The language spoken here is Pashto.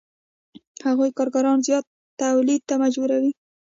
هغوی کارګران زیات تولید ته مجبوروي